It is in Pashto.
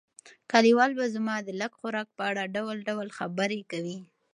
کلیوال به زما د لږ خوراک په اړه ډول ډول خبرې کوي.